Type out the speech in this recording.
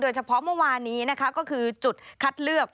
เฉพาะเมื่อวานนี้นะคะก็คือจุดคัดเลือก